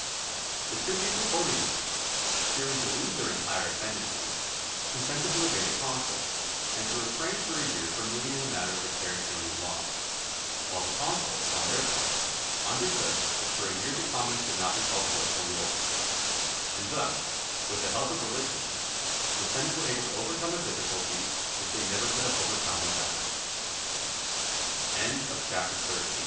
The tribunes accordingly, fearing to lose their entire ascendency, consented to obey the consul, and to refrain for a year from moving in the matter of the Terentillian law; while the consuls, on their part, undertook that for a year the commons should not be called forth to war. And thus, with the help of religion, the senate were able to overcome a difficulty which they never could have overcome without it. CHAPTER XIV.